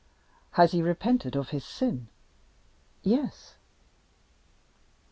"Has he repented of his sin?" "Yes."